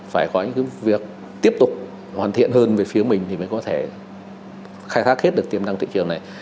phải có những việc tiếp tục hoàn thiện hơn về phía mình thì mới có thể khai thác hết được tiềm năng thị trường này